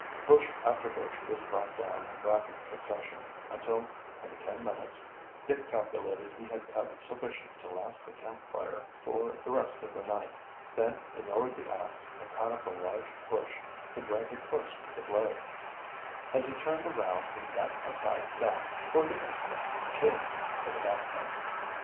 Bush after bush was brought down in rapid succession, until in ten minutes Dick calculated he had cut sufficient to last the camp fire for the rest of the night. Then he lowered the ax and caught up a large bush, to drag it close to the blaze. As he turned around he met a sight that, for the instant, chilled him to the backbone.